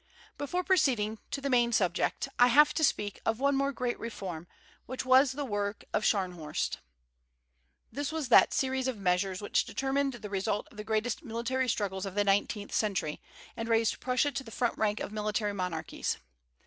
Before proceeding to the main subject, I have to speak of one more great reform, which was the work of Scharnhorst. This was that series of measures which determined the result of the greatest military struggles of the nineteenth century, and raised Prussia to the front rank of military monarchies.